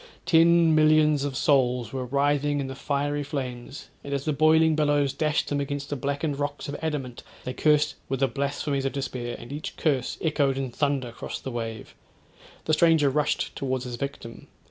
Ten millions of souls were writhing in the fiery flames, and as the boiling billows dashed them against the blackened rocks of adamant, they cursed with the blasphemies of despair; and each curse echoed in thunder cross the wave. The stranger rushed towards his victim.